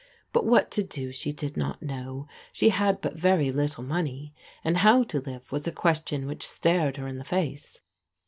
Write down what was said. But what to do she did not know. She had but very little money, and how to live was a question which stared her in the face.